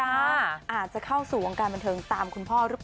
แล้วพี่ต้ามอายุ๕๙แต่ว่ายังหล่อฟื้น